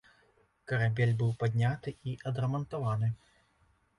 Карабель быў падняты і адрамантаваны.